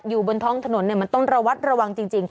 อยู่บนท้องถนนมันต้องระวัดระวังจริง